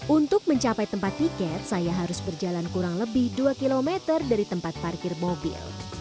untuk mencapai tempat tiket saya harus berjalan kurang lebih dua km dari tempat parkir mobil